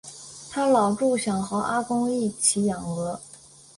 她老著想和阿公一起养鹅